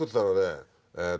えっとね